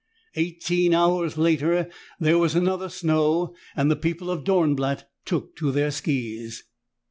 Eighteen hours later, there was another snow and the people of Dornblatt took to their skis.